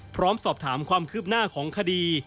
พร้อมสอบถามความคืบหน้าของคดี